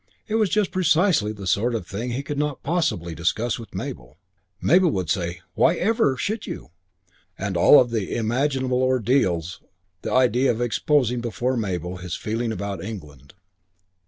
It was just precisely the sort of thing he could not possibly discuss with Mabel. Mabel would say, "Whyever should you?" and of all imaginable ordeals the idea of exposing before Mabel his feeling about England